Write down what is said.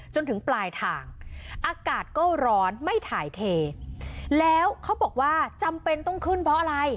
จนถึงปลายทางอากาศก็ร้อนไม่ถ่ายเทแล้วเขาบอกว่าจำเป็นต้องขึ้นเพราะอะไร